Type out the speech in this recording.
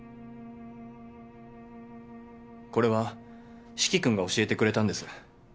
これは四鬼君が教えてくれたんです。